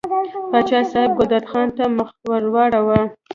پاچا صاحب ګلداد خان ته مخ ور واړاوه.